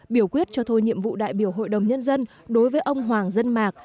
biểu quyết cho thôi nhiệm vụ đại biểu hội đồng nhân dân đối với ông hoàng dân mạc